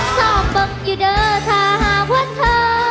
สอบเบิ้งอยู่เด้อท่าหาพวกเธอ